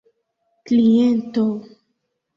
kliento